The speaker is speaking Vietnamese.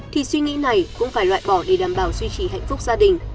thì suy nghĩ này cũng phải loại bỏ để đảm bảo duy trì hạnh phúc gia đình